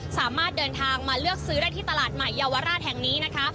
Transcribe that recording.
สามารถเดินทางมาเลือกซื้อได้ที่ตลาดใหม่เยาวราชแห่งนี้นะคะ